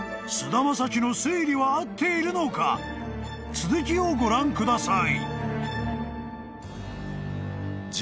［続きをご覧ください］